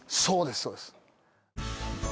そうです